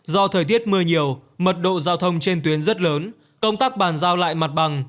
do thời tiết mưa nhiều mật độ giao thông trên tuyến rất lớn công tác bàn giao lại mặt bằng